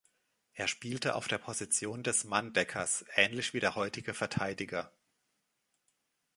Er spielte auf der Position des Manndeckers, ähnlich wie der heutige Verteidiger.